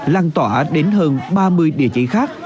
lan tỏa đến hơn ba mươi địa chỉ khác